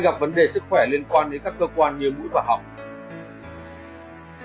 gặp vấn đề sức khỏe liên quan đến các cơ quan như mũi quả học